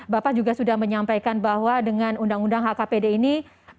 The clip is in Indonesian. bapak juga sudah menyampaikan bahwa dengan undang undang hkpd ini